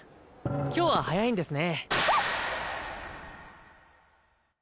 今日は早いんですね。